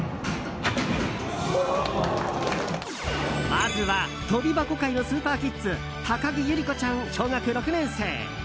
まずは跳び箱界のスーパーキッズ高木悠莉子ちゃん、小学６年生。